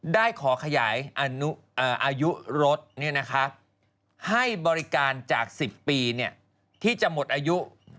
ได้ขอขยายอายุรถให้บริการจาก๑๐ปีที่จะหมดอายุ